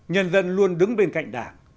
nhân dân luôn đứng bên cạnh đảng